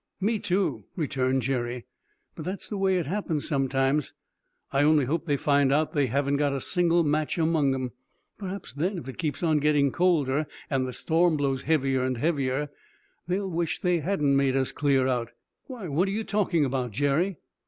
"Me, too," returned Jerry; "but that's the way it happens sometimes. I only hope they find out they haven't got a single match among 'em. Perhaps, then, if it keeps on getting colder, and the storm blows heavier and heavier, they'll wish they hadn't made us clear out." "Why, what are you talking about, Jerry?"